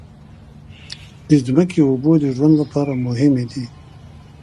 د ځمکې اوبو د ژوند لپاره مهمې دي.